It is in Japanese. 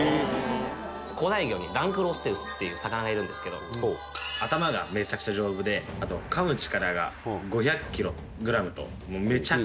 古代魚にダンクルオステウスっていう魚がいるんですけど頭がめちゃくちゃ丈夫であと噛む力が５００キログラムとめちゃくちゃ強いんですね。